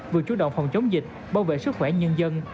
vừa chủ động phòng chống dịch bảo vệ sức khỏe nhân dân